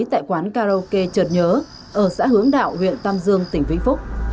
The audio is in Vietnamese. tại quán karaoke trợt nhớ ở xã hướng đạo huyện tam dương tỉnh vĩnh phúc